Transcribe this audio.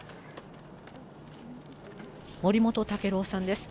森本毅郎さんです。